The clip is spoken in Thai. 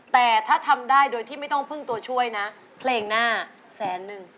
แต่ถ้าทำได้โดยที่ไม่ต้องพึ่งตัวช่วยนะเพลงหน้าแสนนึง